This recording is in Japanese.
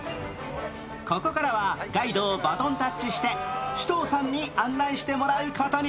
ここからはガイドをバトンタッチして首藤さんに案内してもらうことに。